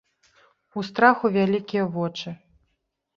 У страху вялікія вочы.